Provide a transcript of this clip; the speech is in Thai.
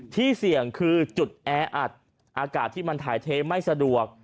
ที่เสี่ยงคือจุดแออัดอากาศที่มันถ่ายเทไม่สะดวก